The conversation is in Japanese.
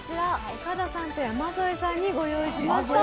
岡田さんと山添さんに御用意しました。